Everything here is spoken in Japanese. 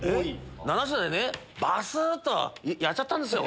７品でねばすっとやっちゃったんですよ。